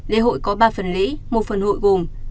lễ hội có ba phần lễ một phần hội gồm